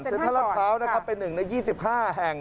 เซ็นทรัฐพร้าวเป็นหนึ่งใน๒๕แห่ง